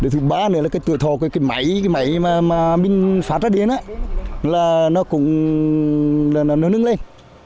thứ ba nữa là cái tựa thọ của cái máy mà mình phá trá điện nó cũng nâng nâng lên